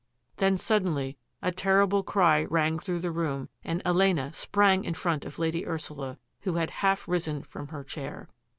Then suddenly a terrible cry rang through the room and Elena sprang in front of Lady Ursula, who had half risen from her chair.